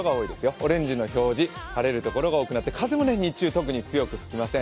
オレンジの表示、晴れるところが多くなって風も日中それほど吹きません。